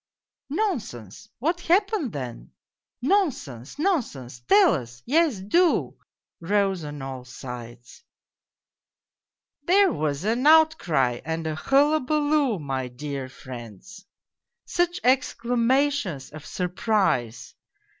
" Nonsense ! What happened then ?"" Nonsense, nonsense ! Tell us ! Yes, do," rose on all sides. " There was an outcry and a hullabaloo, my dear friends ! Such exclamations of surprise